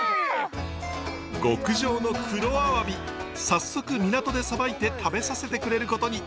極上の黒アワビ早速港でさばいて食べさせてくれることに。